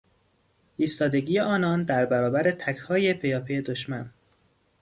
ایستادگی آنان در برابر تکهای پیاپی دشمن